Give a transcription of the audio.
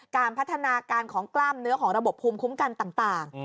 การพัฒนาการของกล้ามเนื้อของระบบภูมิคุ้มกันต่าง